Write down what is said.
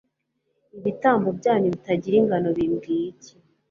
ibitambo byanyu bitagira ingano bimbwiye iki